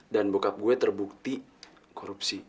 dan bokap saya terbukti korupsi